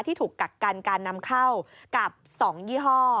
ที่ถูกกักกันการนำเข้ากับ๒ยี่ห้อ